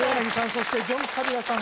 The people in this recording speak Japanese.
そしてジョン・カビラさん